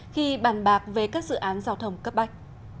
khi bàn bạc về các dự án giao thông cấp bách